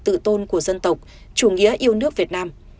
tự tôn của dân tộc chủ nghĩa yêu nước việt nam